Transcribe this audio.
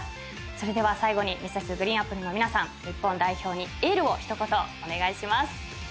それでは最後にＭｒｓ．ＧＲＥＥＮＡＰＰＬＥの皆さん日本代表にエールを一言お願いします。